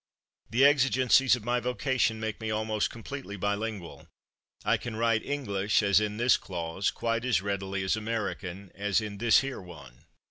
The exigencies of my vocation make me almost completely bilingual; I can write English, as in this clause, quite as readily as American, as in this here one.